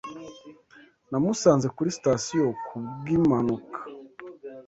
Namusanze kuri sitasiyo ku bw'impanuka.